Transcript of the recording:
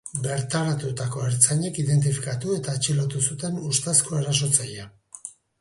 Bertaratutako ertzainek identifikatu eta atxilotu zuten ustezko erasotzailea.